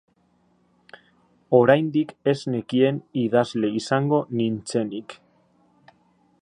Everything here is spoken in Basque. Oraindik ez nekien idazle izango nintzenik.